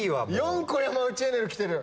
４個山内エネルきてる。